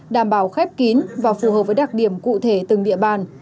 đảm bảo khép kín và phù hợp với đặc điểm cụ thể từng địa bàn